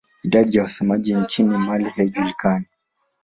Idadi ya wasemaji nchini Mali haijulikani.